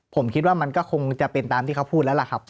ผมคิดว่ามันก็คงจะเป็นตามที่เขาพูดแล้วล่ะครับ